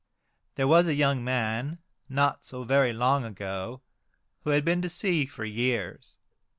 There was a young man, not so very long ago, who had been to sea for years.